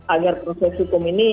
agar proses hukum ini